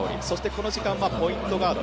この時間はポイントガード